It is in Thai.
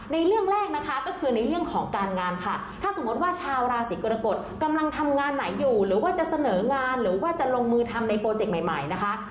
เรื่องแรกนะคะก็คือในเรื่องของการงานค่ะถ้าสมมติว่าชาวราศีกรกฎกำลังทำงานไหนอยู่หรือว่าจะเสนองานหรือว่าจะลงมือทำในโปรเจกต์ใหม่นะคะ